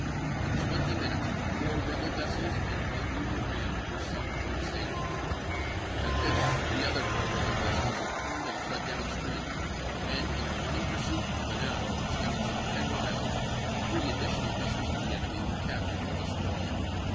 In twenty minutes four rebel vessels and one Union ram were sunk or dis abled. At this the other four rebel vessels turned and fled down stream, and in a running pursuit of an hour, extending some ten miles, three additional vessels of the enemy were captured or destroyed.